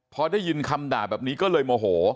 พอได้ยินคำด่าแบบนี้ก็เลยโมโห